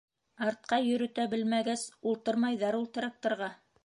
Артҡа йөрөтә белмәгәс, ултырмайҙар ул тракторға.